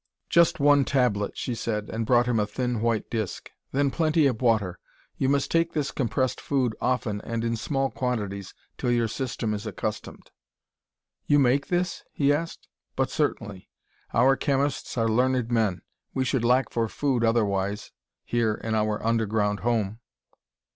"Just one tablet," she said, and brought him a thin white disc, "then plenty of water. You must take this compressed food often and in small quantities till your system is accustomed." "You make this?" he asked. "But certainly. Our chemists are learned men. We should lack for food, otherwise, here in our underground home."